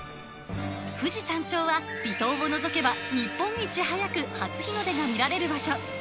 富士山頂は、離島を除けば日本一早く初日の出が見られる場所。